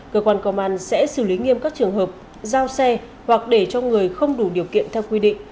cơ quan công an sẽ xử lý nghiêm các trường hợp giao xe hoặc để cho người không đủ điều kiện theo quy định